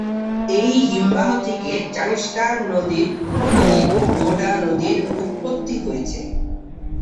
এই হিমবাহ থেকে জাংস্কার নদীর উপনদী ডোডা নদীর উৎপত্তি হয়েছে।